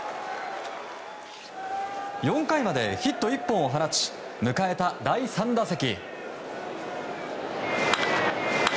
４回までヒット１本を放ち迎えた第３打席。